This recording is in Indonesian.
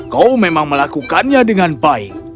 kau memang melakukannya dengan baik